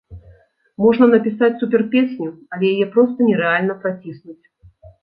Можна напісаць супер-песню, але яе проста нерэальна праціснуць.